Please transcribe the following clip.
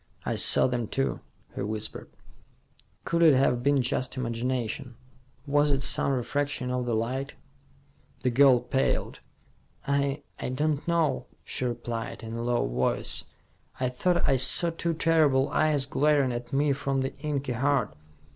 "I saw them, too," he whispered. "Could it have been just imagination? Was it some refraction of the light?" The girl paled. "I I don't know," she replied, in a low voice. "I thought I saw two terrible eyes glaring at me from the inky heart.